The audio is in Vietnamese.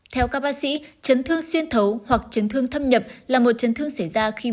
theo các bác sĩ trận thương xuyên thấu hoặc trận thương thâm nhập là một trận thương xảy ra khi